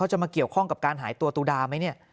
จะมาเกี่ยวข้องกับการหายตัวตุดาไหมเนี่ย